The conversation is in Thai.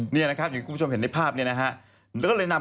อย่างที่คุณผู้ชมเห็นในภาพนี้นะครับ